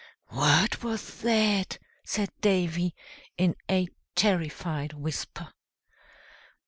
"What was that?" said Davy, in a terrified whisper.